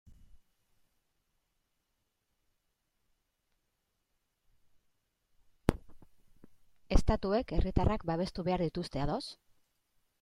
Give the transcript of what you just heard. Estatuek herritarrak babestu behar dituzte, ados.